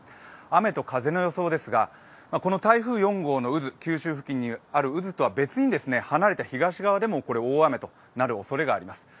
雨と風の予想ですがこの台風４号の渦、九州付近にある渦とは別に離れた東側でも、大雨となるおそれがあります。